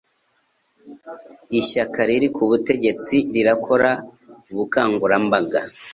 Ishyaka riri ku butegetsi rirakora ubukangurambaga